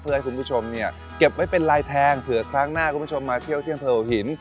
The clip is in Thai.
เพื่อให้คุณผู้ชมเนี่ยเก็บไว้เป็นลายแทงเผื่อครั้งหน้าคุณผู้ชมมาเที่ยวที่อำเภอหัวหิน